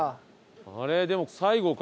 あれでも最後か